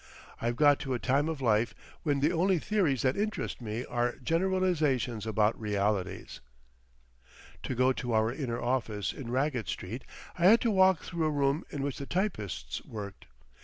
I've got to a time of life when the only theories that interest me are generalisations about realities. To go to our inner office in Raggett Street I had to walk through a room in which the typists worked.